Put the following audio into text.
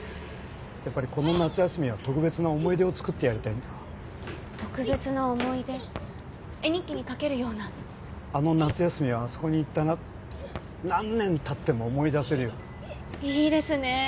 やっぱりこの夏休みは特別な思い出をつくってやりたいんだ特別な思い出絵日記に描けるようなあの夏休みはあそこに行ったなって何年たっても思い出せるようないいですね